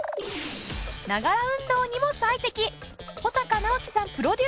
ながら運動にも最適！